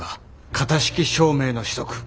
型式証明の取得。